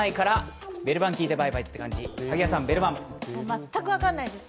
全く分かんないです。